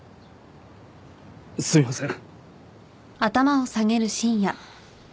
すいません。